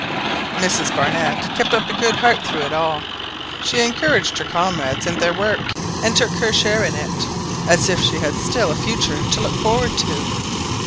Mrs Barnett kept up a good heart through it all; she encouraged her comrades in their work, and took her share in it, as if she had still a future to look forward to.